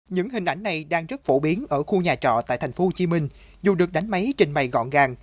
những hình ảnh này đang rất phổ biến ở khu nhà trọ tại tp hcm dù được đánh máy trình bày gọn gàng